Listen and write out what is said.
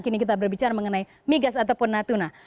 kini kita berbicara mengenai migas ataupun natuna